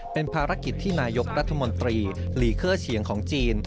เป็นภารกิจที่นายกรัฐมนตรีลีเคอร์เฉียงของจีน